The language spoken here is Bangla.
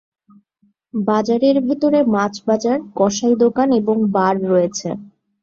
বাজারের ভেতরে মাছ বাজার, কসাই দোকান এবং বার রয়েছে।